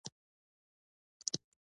ټولنیز رسم او رواج نژادي توپیرونه وساتل.